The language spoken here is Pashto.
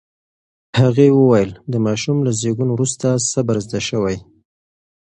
هغې وویل، د ماشوم له زېږون وروسته صبر زده شوی.